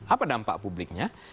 apa dampak publiknya